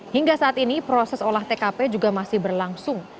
hingga saat ini proses olah tkp juga masih berlangsung